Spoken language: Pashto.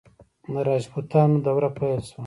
د راجپوتانو دوره پیل شوه.